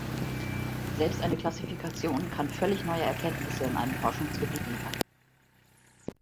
Selbst eine Klassifikation kann völlig neue Erkenntnisse in einem Forschungsgebiet liefern.